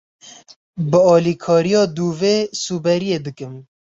Bi alikariya dûvê soberiyê dikim.